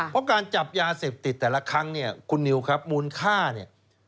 เพราะการจับยาเสพติดแต่ละครั้งเนี่ยคุณนิวครับมูลค่าเนี่ย